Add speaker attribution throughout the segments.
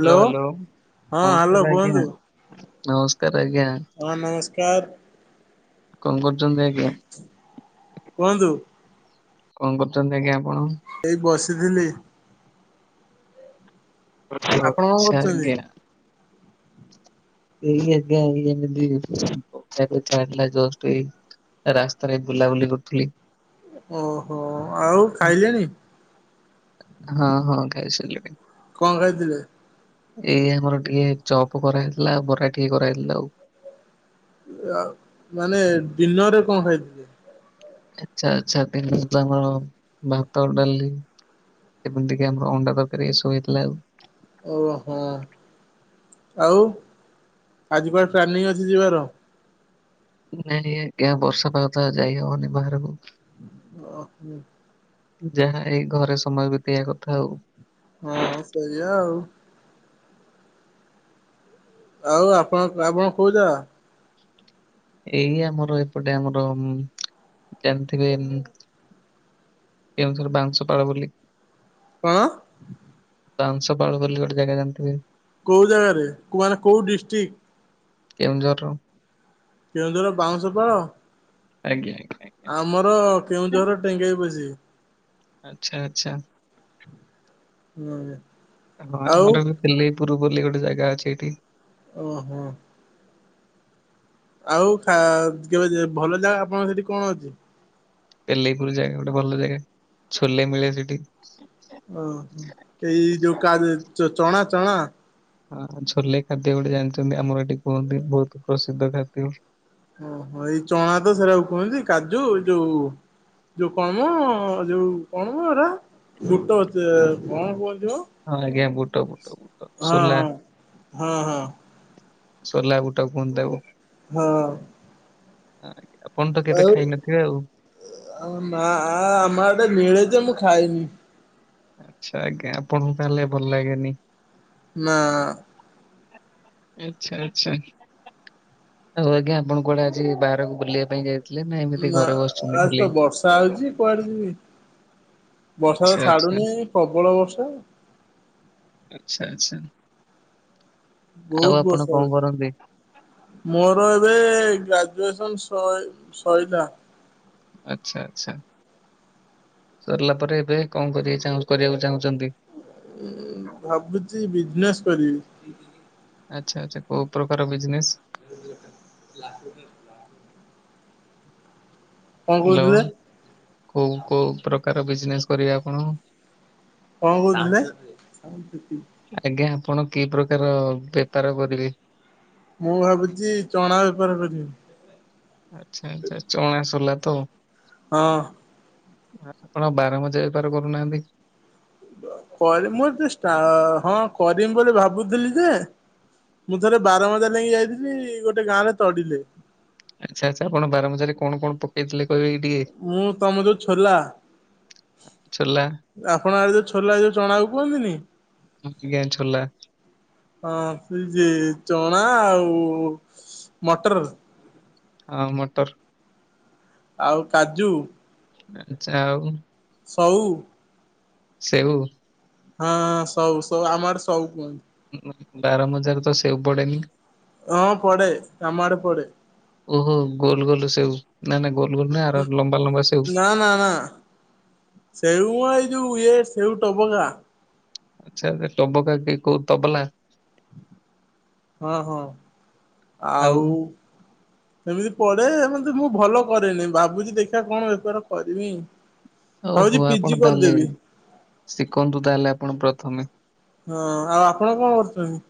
Speaker 1: Hello hello.
Speaker 2: ହଁ hello
Speaker 1: ନମସ୍କାର
Speaker 2: କୁହନ୍ତୁ
Speaker 1: ଆଜ୍ଞା ନମସ୍କାର ଆଜ୍ଞା।
Speaker 2: ହଁ ନମସ୍କାର
Speaker 1: କଣ କରୁଛନ୍ତି ଆଜ୍ଞା?
Speaker 2: କୁହନ୍ତୁ।
Speaker 1: କଣ କରୁଛନ୍ତି ଆଜ୍ଞା ଆପଣ।
Speaker 2: ଏଇ ବସିଥିଲି।
Speaker 1: କିଏ
Speaker 2: ଆପଣ କଣ
Speaker 1: ଅଛି
Speaker 2: କରୁଛନ୍ତି?
Speaker 1: ଆଜ୍ଞା। [unintelligible] କଥା କଥା ହେଲା ଜଷ୍ଟ ଏଇ ରାସ୍ତାରେ ବୁଲାବୁଲି କରୁଥିଲି।
Speaker 2: ଓହୋ ଆଉ ଖାଇଲେଣି।
Speaker 1: ହଁ ହଁ ଖାଇସାରିଲଣି।
Speaker 2: କଣ ଖାଇଥିଲେ?
Speaker 1: ଏଇ ଆମର ଟିକେ ଚପ କରାହେଇଥିଲା ଆଉ ବରା ଟିକେ କରାହେଇଥିଲା ଆଉ।
Speaker 2: ମାନେ ଦିନରେ କଣ ଖାଇଥିଲେ?
Speaker 1: ଆଛା ଆଛା [unintelligible] କଣ ଭାତ ଡାଲି। ଯେମିତିକେ ଆମର ଅଣ୍ଡା ଦରକାରୀ ଏସବୁ ହେଇଥିଲା ଆଉ
Speaker 2: ଓହୋ ଆଉ ଆଜି କୁଆଡେ ପ୍ଲାନିଂ ଅଛି ଯିବାର।
Speaker 1: ନାଇଁ ଆଜ୍ଞା ବର୍ଷା ପାାଗ ତ ଯାଇ ହବନି ବାହାରକୁ।
Speaker 2: ଓ ହୁଁ।
Speaker 1: ଯାହା ଏଇ ଘରେ ସମୟ ବିତେଇବା କଥା ଆଉ
Speaker 2: ହଁ ସେଇଆ ଆଉ। ଆଉ ଆପଣଙ୍କ ଆପଣ କୋଉଯାଗା?
Speaker 1: ଏଇ ଆମର ଏପଟେ ଆମର ଜାଣିଥିବେ ଉଁ କେଉଁଝର ବାଉଁଶପାଳ ବୁଲି।
Speaker 2: କଣ?
Speaker 1: ବାଉଁଶପାଳ ବୋଲି ଗୋଟେ ଜାଗା ଜାଣିଥିବେ।
Speaker 2: କୋଉ ଜାଗାରେ କୁଆଁର କୋଉ ଡିଷ୍ଟ୍ରିକ୍ଟ?
Speaker 1: କେନଉଁଝର ର
Speaker 2: କେଉଁଝର ବାଉଁଶପାଳ।
Speaker 1: ଆଜ୍ଞା ଆଜ୍ଞା ଆଜ୍ଞା।
Speaker 2: ଆମର କେଉଁଝର ଟେଙ୍ଗେଇ ପୋଷି।
Speaker 1: ଆଚ୍ଛା ଆଚ୍ଛା।
Speaker 2: [inaudible]
Speaker 1: ହଁ
Speaker 2: ଆଉ
Speaker 1: ଆମର ବି ପିଲେଇପୁର ବୋଲି ଗୋଟେ ଜାଗା ଅଛି ଏଇଠି।
Speaker 2: ଓ ହଁ। ଆଉା କା କେବେ ଯେବେ ଭଲ ଜାଗା ଆପଣଙ୍କର ସେଠି କଣ ଅଛି।
Speaker 1: ପେଲେଇପୁର ଜାଗା ଗୋଟେ ଭଲ ଜାଗା ଟେ ଛୋଲେ ମିଳେ ସେଠି।
Speaker 2: ଓ ଏଇ ଯୋଉ କା [unintelligible] ଚଣା ଚଣା
Speaker 1: ହଁ ଛୋଲେ ଖାଦ୍ୟ ଗୋଟେ ଜାଣିଛନ୍ତି ଆମର ଏଠି କୁହନ୍ତି ବହୁତ ପ୍ରସିଦ୍ଧ ଖାଦ୍ୟ ଏଠି।
Speaker 2: ଓହୋ ଏଇ ଚଣା ତ ସେଟା କୁ କୁହନ୍ତି କାଜୁ ଯୋଉ ଯୋଉ କଣମ ଯୋଉ କଣମ ଏରା ବୁଟ ଅଛି କଣ କୁହଥିମ?
Speaker 1: ହଁ ଆଜ୍ଞା ବୁଟ ବୁଟ ବୁଟ ସୋଲା
Speaker 2: ହଁ ହଁ
Speaker 1: ସୋଲା ବୁଟ କୁହନ୍ତି ତାକୁ।
Speaker 2: ହଁ।
Speaker 1: ଆପଣ ତ କେବେ
Speaker 2: ଆଉ
Speaker 1: ଖାଇନଥିବେ ଆଉ।
Speaker 2: ନା ଆ ଆମ ଆଡେ ମିଳେ ଯେ ମୁଁ ଖାଇନି।
Speaker 1: ଆଚ୍ଛା ଆଜ୍ଞା ଆପଣଙ୍କୁ ତାହଲେ ଭଲ ଲାଗେନି।
Speaker 2: ନା।
Speaker 1: ଆଚ୍ଛା ଆଚ୍ଛା ଆଉ ଆଜ୍ଞା ଆପଣ କୁଆଡେ ଆଜି ବାହାରକୁ ବୁଲିବା ପାଇଁ ଯାଇଥିଲେ। ଏମିତି
Speaker 2: ନା
Speaker 1: ଘରେ ବସିଛନ୍ତି
Speaker 2: ଆଜି
Speaker 1: ଖାଲି?
Speaker 2: ତ ବର୍ଷା ହଉଛି। କୁଆଡେ ଯିବି ବର୍ଷା
Speaker 1: ଆଚ୍ଛା
Speaker 2: ତ
Speaker 1: ଆଚ୍ଛା
Speaker 2: ଛାଡୁନି ପ୍ରବଳ ବର୍ଷା।
Speaker 1: ଆଚ୍ଛା ଆଚ୍ଛା। ଆଉ
Speaker 2: ବହୁତ
Speaker 1: ଆପଣ
Speaker 2: ବର୍ଷା
Speaker 1: କଣ
Speaker 2: ହଉଛି।
Speaker 1: କରନ୍ତି?
Speaker 2: ମୋର ଏବେ ଗ୍ରାଜୁଏସନ୍ ସଇ ସଇଲା।
Speaker 1: ଆଚ୍ଛା ଆଚ୍ଛା ସରିଲା ପରେ ଏବେ କଣ କରିବାଁ କରିବାକୁ ଚାହୁଁଛନ୍ତି।
Speaker 2: ଭାବୁଛି ବିଜନେସ୍ କରିବି।
Speaker 1: ଆଚ୍ଛା ଆଚ୍ଛା କୋଉ ପ୍ରକାର ବିଜନେସ୍।
Speaker 2: [unintelligible] କଣ
Speaker 1: ହ୍ୟାଲୋ
Speaker 2: କହୁଥିଲେ
Speaker 1: କୋଉ କୋଉ ପ୍ରକାର ବିଜନେସ୍ କରିବେ ଆପଣ?
Speaker 2: କଣ କହୁଥିଲେ?
Speaker 1: ଆଜ୍ଞା ଆପଣ କି ପ୍ରକାର ବେପାର କରିବେ।
Speaker 2: ମୁଁ ଭାବୁଛି ଚଣା ବେପାର କରିବି।
Speaker 1: ଆଚ୍ଛା ଆଚ୍ଛା ଚଣା ସୋଲା ତ।
Speaker 2: ହଁ।
Speaker 1: ଆପଣ ବାର ଭଜା ବେପାର କରୁନାହାନ୍ତି।
Speaker 2: କରି ମୁଁ ଏତେ ହଁ କରିବି ବୋଲି ଭାବୁଥିଲି ଯେ। ମୁଁ ଥରେ ବାର ଭଜା ନେଇକି ଯାଇଥିଲି ଗୋଟେ ଗାଁ ରେ ତଡ଼ିଲେ।
Speaker 1: ଆଚ୍ଛା ଆଚ୍ଛା ଆପଣ ବାର ଭଜାରେ କଣ କଣ ପ
Speaker 2: ମୁଁ ତମ ଯୋଉ ଛୋଲା।
Speaker 1: ଛୋଲା
Speaker 2: ଆପଣ ଆଡେ ଯୋଉ ଛୋଲା ଯୋଉ ଚଣାକୁ କୁହନ୍ତିନି।
Speaker 1: ଆଜ୍ଞା ଛୋଲା
Speaker 2: ହଁ ସେ ଚଣା ଆଉ ମଟର।
Speaker 1: ହଁ ମଟର।
Speaker 2: ଆଉ କାଜୁ।
Speaker 1: ଆଚ୍ଛା ଆଉ।
Speaker 2: ସଉ।
Speaker 1: ସେଉ।
Speaker 2: ହଁ ଅଁ ସଉ ସଉ ଆମ ଆଡେ ସଉ କୁହନ୍ତି।
Speaker 1: ବାର ମଜାରେ ତ ସେଉ ପଡେନି।
Speaker 2: ହଁ ପଡେ ଆମ ଆଡ଼େ ପଡେ।
Speaker 1: ଓହୋ ଗୋଲ ଗୋଲ ସେଉ ନା ନା ଗୋଲ ଗୋଲ ନାଁ ଆର ଲମ୍ବା ଲମ୍ବା ସେଉ।
Speaker 2: ନାଁ ନାଁ ନାଁ। ସେଉ ଏଇ ଯୋଉ ଇଏ ସେଉ ଟବକା।
Speaker 1: ଆଚ୍ଛା ଟବକା କି କୋଉ ତବଲା।
Speaker 2: ହଁ ହଁ ଆଉ। ସେମିତି ପଢେ ଯେମିତି ମୁଁ ଭଲ କରେନି ଭାବୁଛି ଦେଖିବା କଣ ବେପାର କରିବି।
Speaker 1: ଓହୋ
Speaker 2: ଭାବୁଛି
Speaker 1: ଆପଣ
Speaker 2: ପିଜି
Speaker 1: ତାହେଲେ
Speaker 2: କରିଦେବି।
Speaker 1: ଶିଖନ୍ତୁ ତାହେଲେ ଆପଣ ପ୍ରଥମେ।
Speaker 2: ହଁ ଆଉ ଆପଣ କଣ କରୁଛନ୍ତି?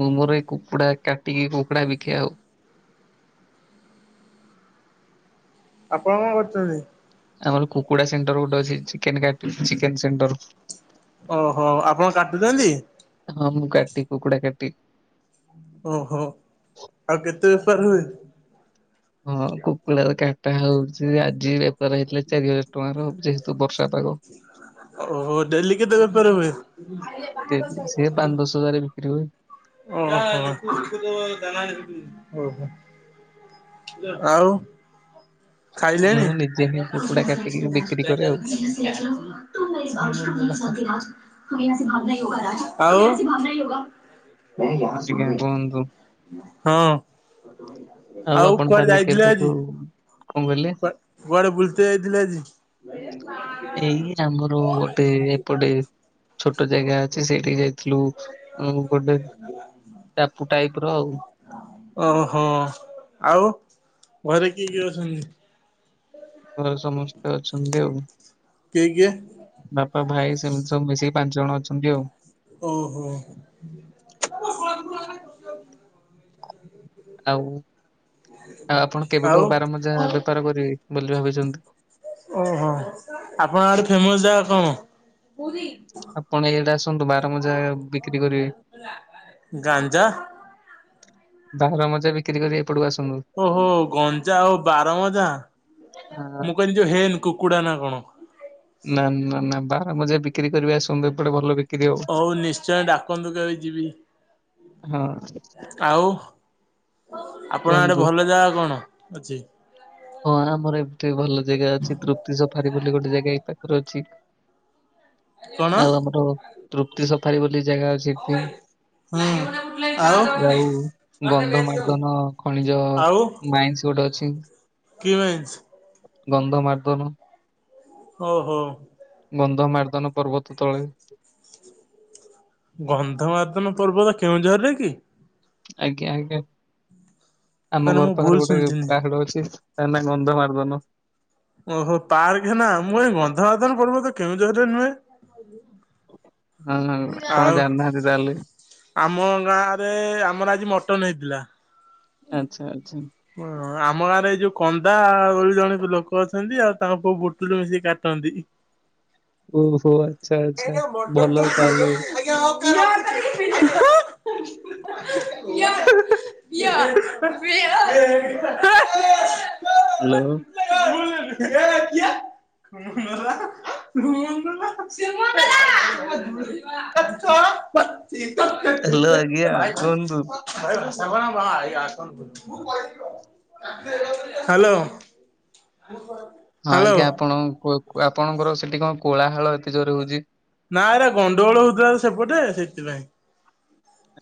Speaker 1: ମୁଁ ମୋର ଏଇ କୁକୁଡ଼ା କାଟିକି କୁକୁଡ଼ା ବିକେ ଆଉ।
Speaker 2: ଆପଣ କଣ କରୁଛନ୍ତି?
Speaker 1: ଆମର କୁକୁଡା ସେଣ୍ଟର ଗୋଟେ ଅଛି ଚିକେନ ସେଣ୍ଟର।
Speaker 2: ଓହୋ ଆପଣ କାଟୁଛନ୍ତି।
Speaker 1: ହଁ ମୁଁ କାଟିି କୁକୁଡ଼ା କାଟିି
Speaker 2: ଓହୋ ଆଉ କେତେ ବେପାର ହୁଏ।
Speaker 1: ହଁ କୁକୁଡ଼ାର କାଟା ହଉଛି ଆଜି ବେପାର ହେଇଥିଲା ଚାରି ହଜାର ଟଙ୍କାର ଅବଜେ ତୁ ବର୍ଷା ପାଗ।
Speaker 2: ଓହୋ ଡେଲି କେତେ ବେପାର ହୁଏ?
Speaker 1: ଦେଲି, ସେ ପାଞ୍ଚ ଦଶ ହଜାରେ ବିକ୍ରି ହୁଏ।
Speaker 2: ଓହୋ ଓହୋ ଓହୋ। ଆଉ ଖାଇ
Speaker 1: ଆଉ
Speaker 2: ସାଇଲେଣି?
Speaker 1: ମୁଁ ନିଜେ ହିଁ କୁକୁଡା କାଟିକି ବିକ୍ରି କରେ ଆଉ।
Speaker 2: ଆଉ
Speaker 1: ଆଜ୍ଞା କୁହନ୍ତୁ
Speaker 2: ହଁ। ଆଉ
Speaker 1: ଆପଣ
Speaker 2: କୁଆଡେ
Speaker 1: ତାହେଲେ
Speaker 2: ଯାଇଥିଲେ
Speaker 1: କେବେଠୁ
Speaker 2: ଆଜି?
Speaker 1: କଣ କହିଲେ
Speaker 2: କୁଆ କୁଆଡେ ବୁଲିତେ ଯାଇଥିଲେ ଆଜି?
Speaker 1: ଏଇ ଆମର ଗୋଟେ ଏପଟେ ଛୋଟ ଜାଗା ଅଛି ସେଇଠିକି ଯାଇ ଥିଲୁ ଉଁ ଗୋଟେ ଟାପୁ ଟାଇପ ର ଆଉ।
Speaker 2: ଓହୋ! ଆଉ ଘରେ କିଏ କିଏ ଅଛନ୍ତି?
Speaker 1: ଘରେ ସମସ୍ତେ ଅଛନ୍ତି ଆଉ।
Speaker 2: କିଏ କିଏ?
Speaker 1: ବାପା ଭାଇ ସେମିତି ସବୁ ମିଶିକି ପାଞ୍ଚ ଜଣ ଅଛନ୍ତି ଆଉ।
Speaker 2: ଓହୋ।
Speaker 1: ଆଉ ଆ ଆପଣ କେବେଠୁ
Speaker 2: ଆଉ
Speaker 1: ବାର ମଜା ବେପାର କରିବେ ବୋଲି ଭାବିଚନ୍ତି?
Speaker 2: ଓହୋ ଆପଣ ଆଡ଼େ ଫେମସ ଜାଗା କଣ?
Speaker 1: ଆପଣ ଇଆଡ଼େ ଆସନ୍ତୁ ବାରମଜା ବିକ୍ରି କରିବେ।
Speaker 2: ଗାଞ୍ଜା
Speaker 1: ବାହାର ମଜା ବିକ୍ରି କରିବେ ଏପଟକୁ ଆସନ୍ତୁ।
Speaker 2: ଓହୋ ଗଞ୍ଚା ଆଉ ବାରମଜା।
Speaker 1: ଆଁ ଆ।
Speaker 2: ତୁ ହୋନି କୁକୁଡ଼ା ନା କଣ?
Speaker 1: ନା ନା ନା ବାରମଜା ବିକ୍ରି କରିବେ ଆସନ୍ତୁ ଏପଟେ ଭଲ ବିକି
Speaker 2: ହୋଉ ନିଶ୍ଚୟ ଡାକନ୍ତୁ କେବେ ଯିବି।
Speaker 1: ହଁ
Speaker 2: ଆଉ ଆପଣ ଆଡେ
Speaker 1: କୁହନ୍ତୁ।
Speaker 2: ଭଲ ଜାଗା କଣ ଅଛି?
Speaker 1: ହଁ ଆମର ଏତେ ଭଲ ଜାଗା ଅଛି। ତୃପ୍ତି ସଫାରି ବୋଲି ଗୋଟେ ଜାଗା ଏଇ ପାଖରେ ଅଛି।
Speaker 2: କଣ?
Speaker 1: ଆଉ ଆମର ତୃପ୍ତି ସଫାରି ବୋଲି ଜାଗା ଅଛି ଚିପିଂ
Speaker 2: ହୁଁ ଆଉ
Speaker 1: ଯଉଁ ଗନ୍ଧ ମାର୍ଦନ ନିଜ
Speaker 2: ଆଉ
Speaker 1: ମାଇଣ୍ଡସ୍ ଗୋଟେ ଅଛି।
Speaker 2: କି ବେଞ୍ଚ୍
Speaker 1: ଗନ୍ଧ ମାରଦନ
Speaker 2: ଓ ହୋ।
Speaker 1: ଗନ୍ଧ ମାର୍ଦନ୍ ପର୍ବତ ତଳେ
Speaker 2: ଗନ୍ଧମାର୍ଦନ ପର୍ବତ କେଉଁଝରରେ କି?
Speaker 1: ଆଜ୍ଞା ଆଜ୍ଞା ଆମ
Speaker 2: ତାହେଲେ ମୁଁ
Speaker 1: ଘର
Speaker 2: ଭୁଲ
Speaker 1: ପାଖରେ ଗୋଟେ
Speaker 2: ଶୁଣିଥିଲି।
Speaker 1: ପାହାଡ ଅଛି। ତା ନାଁ ଗନ୍ଧମାର୍ଦନ।
Speaker 2: ଓହୋ ତାରି ନାଁ ମୁଁ କହିଲି ଗନ୍ଧମାର୍ଦନ ପର୍ବତ କେଉଁଝରରେ ନୁହେଁ। [unintelligible]
Speaker 1: ନାଇଁ ନାଇଁ ଆପଣ
Speaker 2: ଆଉ
Speaker 1: ଜାଣିନାହାନ୍ତି ତାହେଲେ।
Speaker 2: ଆମ ଗାଁ ରେ ଆମର ଆଜି ମଟନ ହେଇଥିଲା।
Speaker 1: ଆଛା ଆଛା।
Speaker 2: ହଁ ଆମ ଗାଁରେ ଏଇ ଯୋଉଁ କନ୍ଦା ବୋଲି ଜଣେ ଲୋକ ଅଛନ୍ତି ଆଉ ତାଙ୍କ ପୁଅ ବୁଟୁଲ ମିଶିକି କାଟନ୍ତି।
Speaker 1: ଓହୋ ଆଛା ଆଛା ଭଲ ତାହେଲେ।
Speaker 2: [unintelligible] [unintelligible]
Speaker 1: ହାଲୋ।
Speaker 2: [unintelligible] ରୁମ ରେ କଣ ପଶି। [unintelligible] ଇତ
Speaker 1: ହ୍ୟାଲୋ ଆଜ୍ଞା
Speaker 2: ଭାଇ ଭାଇ
Speaker 1: କୁହନ୍ତୁ।
Speaker 2: ଭାଇ ସରଣ [unintelligible] ହାଲୋ। [unintelligible]
Speaker 1: ହଁ ଆଜ୍ଞା ଆପଣ ଆପଣଙ୍କର ସେଠି କଣ କୋଳାହାଳ ଏତେ ଜୋରରେ ହଉ
Speaker 2: ନା ଏରା ଗଣ୍ଡଗୋଳ ହଉଥିଲା ତ ସେପଟେ ସେଇଥିପାଇଁ।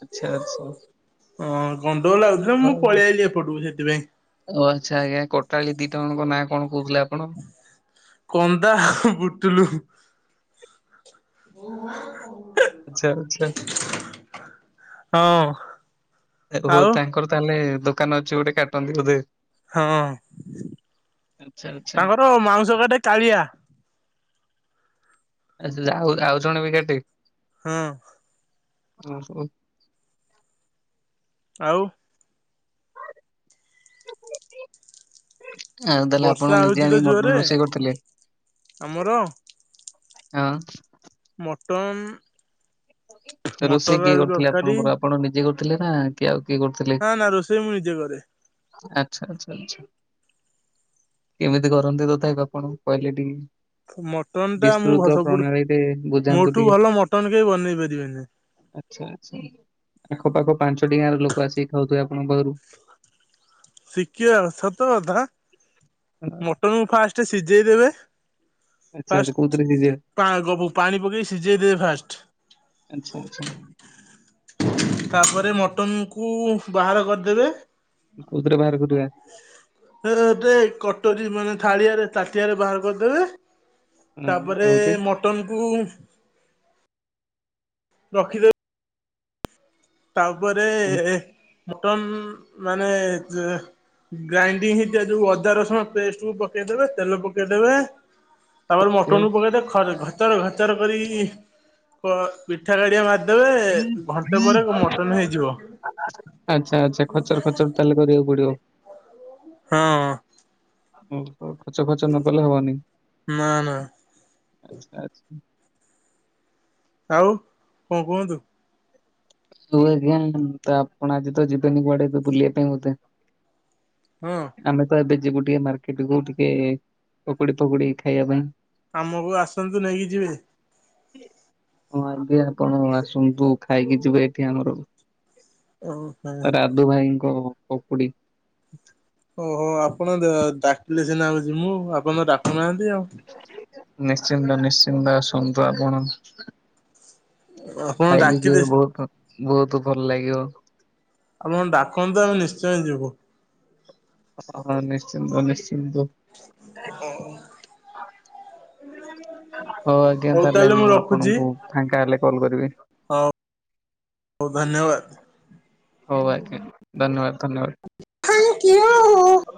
Speaker 1: ଆଚ୍ଛା ଆଚ୍ଛା।
Speaker 2: ହଁ ଗଣ୍ଡ ଗୋଳ ଲାଗୁଥିଲା ମୁଁ
Speaker 1: ହଉ
Speaker 2: ପଳେଇଆଲି ଏପଟକୁ ସେଇଥିପାଇଁ।
Speaker 1: ଓ ଆଛା ଆଜ୍ଞା କୋଟାଳୀ ଦିଟା ଜଣଙ୍କ ନାଁ କଣ କହୁଥିଲା ଆପଣ?
Speaker 2: କନ୍ଦା ବୁଟୁଲୁ। ହଉ ଭରେ କୋଉ ଭୁ।
Speaker 1: ଛା ଛା
Speaker 2: ହଁ।
Speaker 1: ଏକୋଭୋ
Speaker 2: ଆଉ
Speaker 1: ତାଙ୍କର ତାହେଲେ ଦୋକାନ ଅଛି ଗୋଟେ କାଟନ୍ତି ବୋଧେ
Speaker 2: ହଁ,
Speaker 1: ଆଚ୍ଛା ଆଚ୍ଛା।
Speaker 2: ତାଙ୍କର ମାଉଁସ କାଟେ କାଳିଆ।
Speaker 1: ଆ ସେ ଯାହା ଆଉ ଜଣେ ବି କାଟେ।
Speaker 2: ହଁ।
Speaker 1: ଓହୋ।
Speaker 2: ଆଉ।
Speaker 1: ଆଉ ତା ହେଲେ
Speaker 2: ବର୍ଷା
Speaker 1: ଆପଣ ନିଜେ
Speaker 2: ହଉଛି ତ
Speaker 1: ଆଣିକି ମଟନ
Speaker 2: ଜୋରେ
Speaker 1: ରୋଷେଇ କରୁଥିଲେ?
Speaker 2: ଆମର
Speaker 1: ହଁ।
Speaker 2: ମଟନ୍।
Speaker 1: ରୋଷେଇ କିଏ କରିୁଥିଲେ
Speaker 2: ତରକାରୀ
Speaker 1: ଆପଣଙ୍କର ଆପଣ ନିଜେ କରୁ ନା କିଏ ଆଉ କିଏ କରୁଥିଲେ
Speaker 2: ନା ନା ରୋଷେଇ ମୁଁ ନିଜେ କରେ।
Speaker 1: ଆଛା, ଆଛା, ଆଛା କେମିତି କରନ୍ତି ତଥାପି ଆପଣ କହିଲେ ଟିକେ?
Speaker 2: ମଟନ ଟା ମୁଁ
Speaker 1: ବିସ୍ତୃତ
Speaker 2: ସବୁଠୁ
Speaker 1: ପ୍ରଣାଳୀରେ ବୁଝାନ୍ତୁ
Speaker 2: ମୋଠୁ
Speaker 1: ଟିକେ?
Speaker 2: ଭଲ ମଟନ କେହି ବନେଇ ପାରିବେନି।
Speaker 1: ଆଚ୍ଛା ଆଚ୍ଛା ଆଖପାଖ ପାଞ୍ଚଟି ଗାଁ ର ଲୋକ ଆସିକି ଖାଉଥିବେ ଆପଣଙ୍କ ଘରୁ।
Speaker 2: ଶିଖିବେ ଆଉ ସତ କଥା
Speaker 1: ଅ,
Speaker 2: ମଟନ ମୁ ଫାଷ୍ଟ ସିଝେଇ ଦେବେ
Speaker 1: ଆଚ୍ଛା ଆଚ୍ଛା କୋଉଥିରେ ଦିଦି
Speaker 2: ଫାଷ୍ଟ ପା ଗବୁ ପାଣି ପକେଇ ସିଝେଇ ଦେବେ ଫାଷ୍ଟ।
Speaker 1: ଆଚ୍ଛା ଆଚ୍ଛା।
Speaker 2: ତା ପରେ ମଟନ କୁ ବାହାର କରିଦେବେ।
Speaker 1: କୋଉଥିରେ ବାହାର କରିବା?
Speaker 2: ଟେ କଟରୀ ମାନେ ଥାାଳିଆରେ ତାଟିଆରେ ବାହାର କରିଦେବେ?
Speaker 1: ଅଁ,
Speaker 2: ତା ପରେ
Speaker 1: ତାପରେ
Speaker 2: ମଟନ କୁ ରଖିଦେବେ। ତାପରେ ମଟନ ମାନେ ଯେ ଗ୍ରାଇଣ୍ଡିଙ୍ଗ ହେଇଥିବା ଯୋଉ ଅଦା ରସୁଣ ପେଷ୍ଟ କୁ ପକେଇଦବେ ତେଲ ପକେଇଦେବେ ତାପରେ ମଟନ୍ କୁ ପକେଇଦେବେ ଘଚର ଘଚର କରି ପିଠା କାଢ଼ି ଖରି ଦେବେ ଘଣ୍ଟେ ତା ପରେ ମଟନ ହେଇଯିବ।
Speaker 1: ଆଚ୍ଛା ଆଚ୍ଛା ଖଚର ଖଚର ତାହେଲେ କରିବାକୁ ପଡିବ।
Speaker 2: ହଁ ଅ।
Speaker 1: ହୁଁତ ଖର୍ଚ୍ଚ ଖର୍ଚ୍ଚ ନ କଲେ ହବନି।
Speaker 2: ନା ନା।
Speaker 1: ଆଛା ଆଚ୍ଛା।
Speaker 2: ଆଉ କଣ କୁହନ୍ତୁ?
Speaker 1: ହଉ ଆଜ୍ଞା ତ ଆପଣ ଆଜି ତ ଯିବେନି କୁଆଡେ ବୁଲିବା ପାଇଁ ବୋଧେ?
Speaker 2: ହଁ।
Speaker 1: ଆମେ ତ ଏବେ ଯିବୁ ଟିକେ ମାର୍କେଟ କୁ ଟିକେ ପକୁଡି ଫକୁଡି ଖାଇବା ପାଇଁ।
Speaker 2: ଆମକୁ ଆସନ୍ତୁ ନେଇକି ଯିବେ।
Speaker 1: ହଁ ଆଗ ଆପଣ ଆସନ୍ତୁ ଖାଇକି ଯିବେ ଏଠି ଆମର
Speaker 2: ଓହୋ।
Speaker 1: ସଧୁ ଭାଇଙ୍କ ପକୁୁଡି।
Speaker 2: ଓହୋ ଆପଣ ଡାକିଲେ ସିନା ଜିମୁଁ ଆପଣ ତ ଡାକୁନାହାନ୍ତି ଆଉ।
Speaker 1: ନିଶ୍ଚିନ୍ତ ନିଶ୍ଚିନ୍ତ ଆସନ୍ତୁ ଆପଣ
Speaker 2: ଆପଣ
Speaker 1: ଖାଇକି
Speaker 2: ଡାକିଲେ
Speaker 1: ଯିବେ ବହୁତ ବହୁତୁ ଭଲ ଲାଗିବ।
Speaker 2: ଆପଣ ଡାକନ୍ତୁ ଆମେ ନିଶ୍ଚୟ ଯିବୁ।
Speaker 1: ହଁ ନିଶ୍ଚିନ୍ତ ନିଶ୍ଚିନ୍ତ।
Speaker 2: ହଁ।
Speaker 1: ହଁ। ହଉ ଆଜ୍ଞା ତାହେଲେ ମୁଁ ଆପଣଙ୍କୁ ଫାଙ୍କା ହେଲେ କଲ କରିବି।
Speaker 2: ହଉ ହଉ ଧନ୍ୟବାଦ।
Speaker 1: ହଉ ଆଜ୍ଞ ଧନ୍ୟବାଦ ଧନ୍ୟବାଦ।
Speaker 2: Thank you.